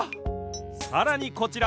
さらにこちら！